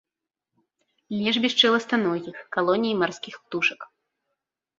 Лежбішчы ластаногіх, калоніі марскіх птушак.